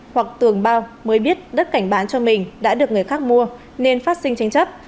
hoặc tường bao mới biết đất cảnh bán cho mình đã được người khác mua nên phát sinh tranh chấp